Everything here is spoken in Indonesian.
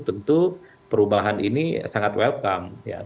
tentu perubahan ini sangat welcome